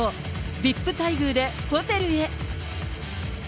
ＶＩＰ待遇でホテルへ。